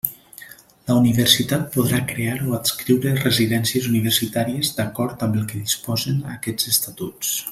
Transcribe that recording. La Universitat podrà crear o adscriure residències universitàries d'acord amb el que disposen aquests Estatuts.